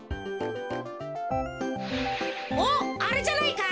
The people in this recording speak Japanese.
おっあれじゃないか？